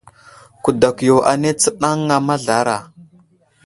Kudakw yo anay tsənaŋa mazlara.